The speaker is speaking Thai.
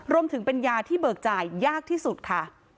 รวมถึงเป็นยาที่เบิกจ่ายยากที่สุดค่ะ